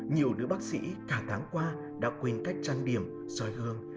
nhiều đứa bác sĩ cả tháng qua đã quên cách trăn điểm soi gương